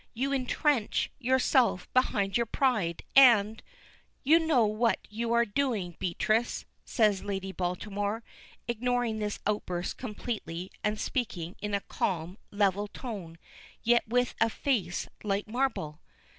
You intrench yourself behind your pride, and " "You know what you are doing, Beatrice," says Lady Baltimore, ignoring this outburst completely, and speaking in a calm, level tone, yet with a face like marble.